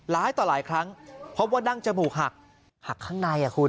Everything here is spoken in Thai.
ต่อหลายครั้งพบว่าดั้งจมูกหักหักข้างในอ่ะคุณ